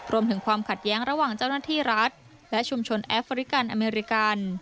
รวมถึงความขัดแย้งระหว่างเจ้าหน้าที่รัฐและชุมชนแอฟริกันอเมริกัน